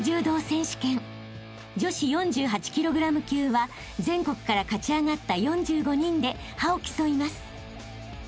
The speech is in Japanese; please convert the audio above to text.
［女子４８ｋｇ級は全国から勝ち上がった４５人で覇を競います］